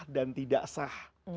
dan tidak sah